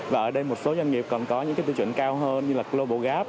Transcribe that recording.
và ở đây một số doanh nghiệp còn có những tư chuẩn cao hơn như global gap